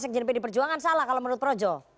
sekjen pdi perjuangan salah kalau menurut projo